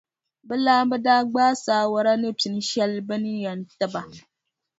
Bɛ laamba daa gbaai saawara ni pinʼ shɛli bɛ ni yɛn ti ba.